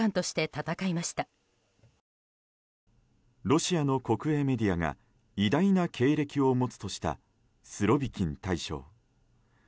ロシアの国営メディアが偉大な経歴を持つとしたスロビキン大将。